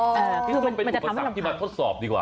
คิดว่ามันเป็นอุปสรรคที่มาทดสอบดีกว่า